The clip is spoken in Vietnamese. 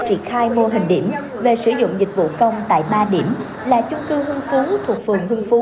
triển khai mô hình điểm về sử dụng dịch vụ công tại ba điểm là chung cư hương phú thuộc phường hương phú